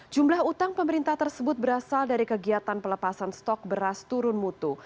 jumlah utang pemerintah tersebut berasal dari kegiatan pelepasan stok beras turun mutu